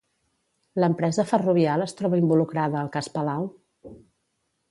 L'empresa Ferrovial es troba involucrada al cas Palau?